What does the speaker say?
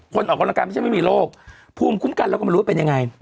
ออกกำลังกายไม่ใช่ไม่มีโรคภูมิคุ้มกันเราก็ไม่รู้ว่าเป็นยังไง